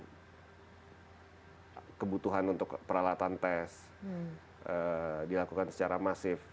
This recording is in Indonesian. karena kebutuhan untuk peralatan tes dilakukan secara masif